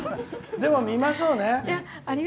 でも見ましょうね。